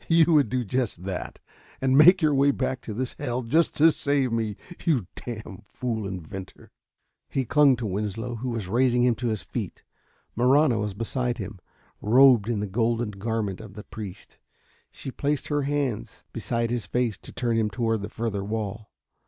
"You would do just that, and make your way back to this hell just to save me you damn fool inventor!" He clung to Winslow, who was raising him to his feet. Marahna was beside him, robed in the golden garment of the priest. She placed her hands beside his face to turn him toward the further wall.